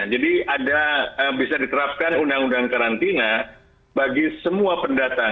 jadi bisa diterapkan undang undang karantina bagi semua pendatang